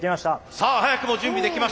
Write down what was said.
さあ早くも準備できました。